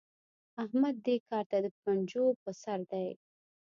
احمد دې کار ته د پنجو پر سر دی.